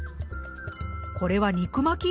これは肉巻き？